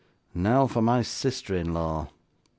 'Now for my sister in law.